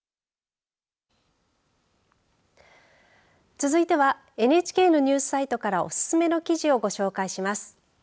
続いてはＮＨＫのニュースサイトからおすすめの記事をご紹介します。